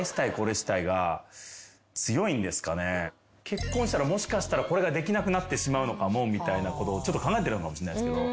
結婚したらもしかしたらこれができなくなってしまうかもみたいなことをちょっと考えてるのかもしれないですけど。